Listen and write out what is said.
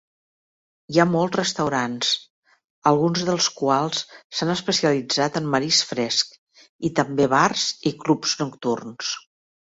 Hi ha molts restaurants, alguns dels quals s'han especialitzat en marisc fresc, i també bars i clubs nocturns.